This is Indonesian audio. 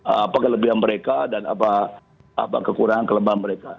apa kelebihan mereka dan apa kekurangan kelemahan mereka